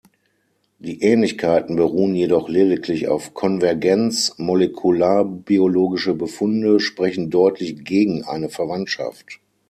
Die Ähnlichkeiten beruhen jedoch lediglich auf Konvergenz, molekularbiologische Befunde sprechen deutlich gegen eine Verwandtschaft.